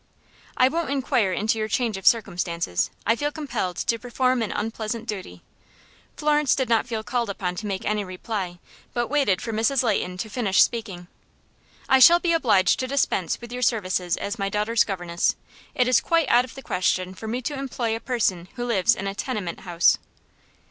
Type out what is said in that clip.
"I won't inquire into your change of circumstances. I feel compelled to perform an unpleasant duty." Florence did not feel called upon to make any reply, but waited for Mrs. Leighton to finish speaking. "I shall be obliged to dispense with your services as my daughter's governess. It is quite out of the question for me to employ a person who lives in a tenement house."